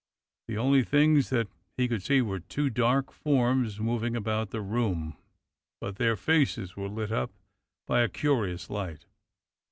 The only things that he could see were two dark forms moving about the room, but their faces were lit up by a curious light.